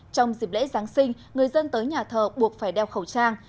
trong dịp lễ giáng sinh người dân tới nhà thờ buộc phải đeo khẩu trang